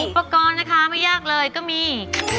อุปกรณ์นะคะไม่ยากเลยก็มี